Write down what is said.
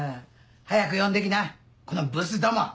早く呼んで来なこのブスども！